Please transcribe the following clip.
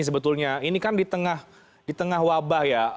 sebetulnya ini kan di tengah wabah ya